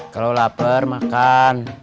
kalau lapar makan